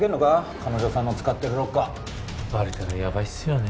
彼女さんの使ってるロッカーバレたらやばいっすよね